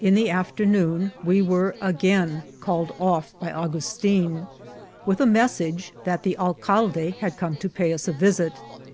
In the af ternoon we were again called off by Augustin, with a message that the alcalde had come to pay us a visit.